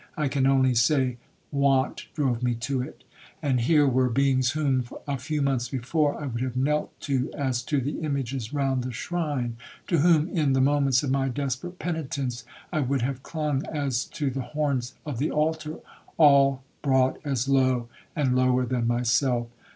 I can only say want drove me to it. And here were beings whom, a few months before, I would have knelt to as to the images round the shrine,—to whom, in the moments of my desperate penitence, I would have clung as to the 'horns of the altar,' all brought as low, and lower than myself.